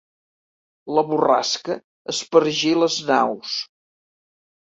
La borrasca espargí les naus.